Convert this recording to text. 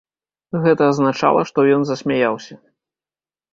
Гэта азначала, што ён засмяяўся.